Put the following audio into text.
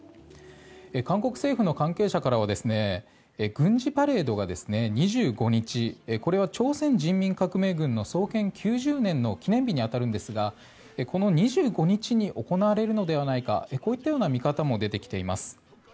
韓国政府の関係者からは軍事パレードが２５日これは朝鮮人民革命軍の創建９０年の記念日に当たるんですがこの２５日に行われるのではないかという見方も出てきています。